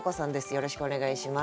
よろしくお願いします。